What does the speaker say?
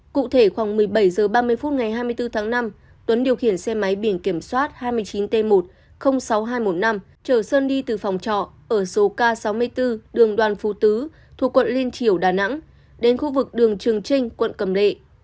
cụ thể khoảng một mươi bảy h ba mươi phút ngày hai mươi bốn tháng năm tuấn điều khiển xe máy biển kiểm soát hai mươi chín t một sáu nghìn hai trăm một mươi năm chờ sơn đi từ phòng trọ ở số k sáu mươi bốn đường đoàn phú tứ thuộc quận liên triều đà nẵng đến khu vực đường trường trinh quận cầm lệ